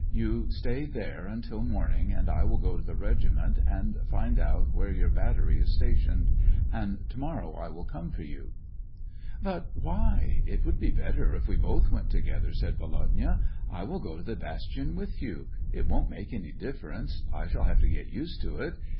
You stay there until morning, and I yvill go to the regiment and find 1 66 SEVASTOPOL IN AUGUST. out where your battery is stationed, and to morrow I will come for you." " But why ? It would be better if we both went together," said Volodya ;'' I will go to the bastion with you. It won't make any difference ; I shall have to get used to it.